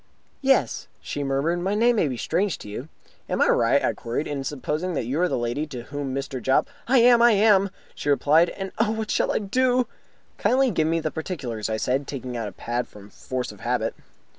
"Yes," she murmured. "My name will be strange to you." "Am I right," I queried, "in supposing that you are the lady to whom Mr. Jopp " "I am! I am!" she replied. "And, oh, what shall I do?" "Kindly give me particulars," I said, taking out my pad from force of habit.